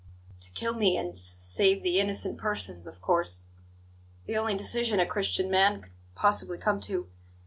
"To kill me and s save the innocent persons, of course the only decision a Christian man could possibly come to.